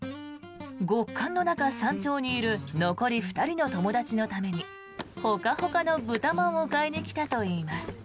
極寒の中、山頂にいる残り２人の友達のためにホカホカの豚まんを買いに来たといいます。